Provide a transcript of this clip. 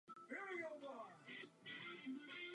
Je velmi rozvětvený, nelidský, barbarský a odolný.